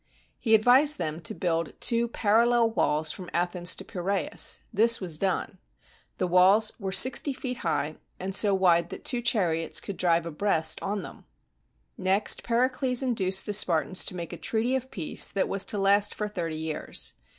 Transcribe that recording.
He advised them to build two parallel walls from Athens to Piraeus. This was done. These walls were sixty feet high, and so wide that two chariots could drive abreast on them. Next, Pericles induced the Spartans to make a treaty of peace that was to last for thirty years.